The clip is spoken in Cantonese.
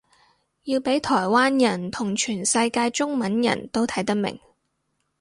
要畀台灣人同全世界中文人都睇得明